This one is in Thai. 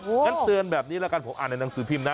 งั้นเตือนแบบนี้ละกันผมอ่านในหนังสือพิมพ์นะ